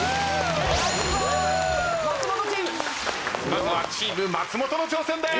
まずはチーム松本の挑戦でーす。